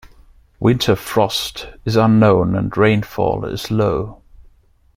Winter frost is unknown and rainfall is low.